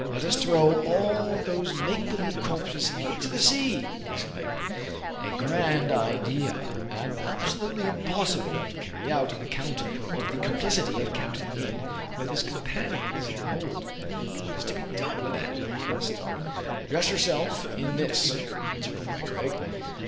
" Let us throw all those make believe corpses into the sea," he exclaimed. A grand idea, but absolutely impossible to carry out, on account of the complicity of Capt. Yin with his companions in the hold. " What is to be done, then }" he asked. " Dress yourself in this," answered Fry Craig.